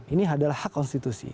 ini adalah hak konstitusi